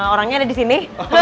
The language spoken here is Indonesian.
orangnya ada di sini